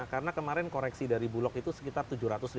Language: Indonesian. karena kemarin koreksi dari bulog itu sekitar tujuh ratus ton